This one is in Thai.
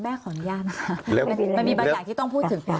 มีบรรยากที่ต้องพูดถึงค่ะ